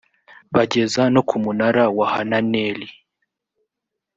bageza no ku munara wa hananeli